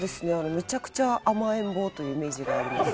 めちゃくちゃ甘えん坊というイメージがあります。